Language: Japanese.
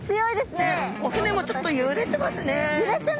お船もちょっとゆれてますね。